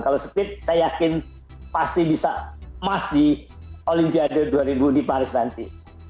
kalau speed saya yakin pasti bisa emas di olimpiade dua ribu di paris nanti